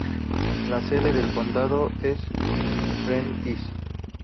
La sede del condado es Prentiss.